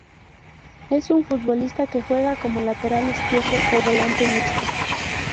Es un futbolista que juega como lateral izquierdo o volante mixto.